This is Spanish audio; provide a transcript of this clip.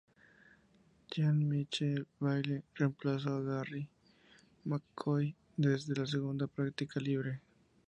Jean-Michel Bayle reemplazo a Garry McCoy desde la segunda practica libre.